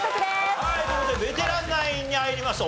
はいという事でベテランナインに入りました。